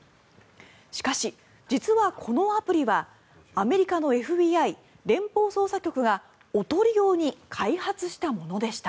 しかし、実はこのアプリはアメリカのＦＢＩ・連邦捜査局がおとり用に開発したものでした。